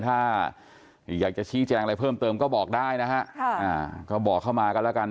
ถ้าอยากจะชี้แจงอะไรเพิ่มเติมก็บอกได้นะฮะก็บอกเข้ามากันแล้วกัน